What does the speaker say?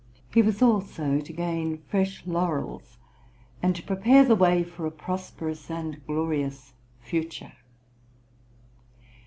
He was also to gain fresh laurels, and to prepare the way for a prosperous and glorious future.